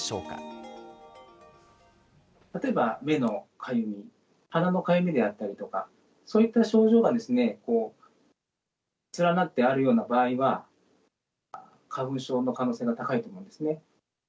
例えば、目のかゆみ、鼻のかゆみであったりとか、そういった症状が連なってあるような場合は、花粉症の可能性が高いと思いますね。